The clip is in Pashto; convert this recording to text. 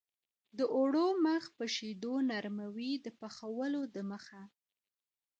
د اوړو مخ په شیدو نرموي د پخولو دمخه.